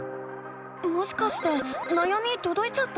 もしかしてなやみとどいちゃった？